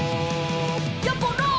「やころ！」